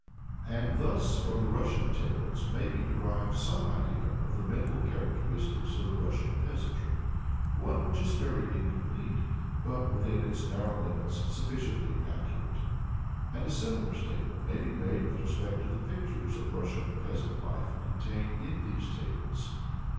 And thus from the Russian tales may be derived some idea of the mental characteristics of the Russian peasantry one which is very incomplete, but, within its narrow limits, sufficiently accurate. And a similar statement may be made with respect to the pictures of Russian peasant life contained in these tales.